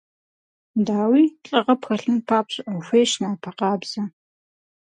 Дауи, лӏыгъэ пхэлъын папщӏэ ухуейщ напэ къабзэ.